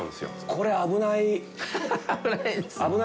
これ、危ないはい。